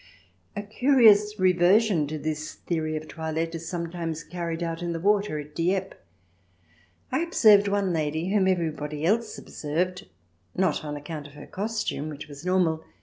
A curious reversion to this theory of toilette is sometimes carried out in the water at Dieppe. I observed one lady, whom everybody else observed, not on account of her costume, which was normal, CH.